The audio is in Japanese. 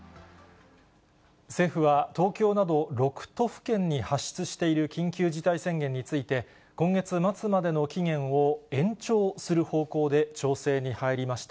政府は東京など６都府県に発出している緊急事態宣言について、今月末までの期限を延長する方向で調整に入りました。